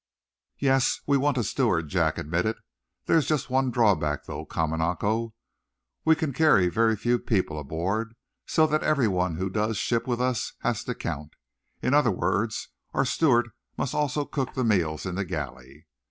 "Yes, we want a steward," Jack admitted. "There's just one drawback, though, Kamanako. We can carry very few people aboard, so that everyone who does ship with us has to count. In other words, our steward must also cook the meals in the galley."